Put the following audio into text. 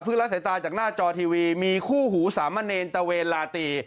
พึ่งรักสายตาจากหน้าจอทีวีมีคู่หูสามารณเนรตะเวลาตี